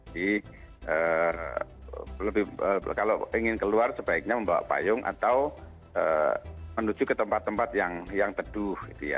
jadi kalau ingin keluar sebaiknya membawa payung atau menuju ke tempat tempat yang teduh